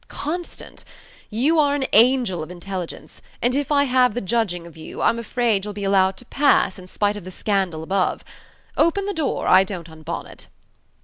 "Constant. You are an angel of intelligence, and if I have the judgeing of you, I'm afraid you'll be allowed to pass, in spite of the scandal above. Open the door; I don't unbonnet."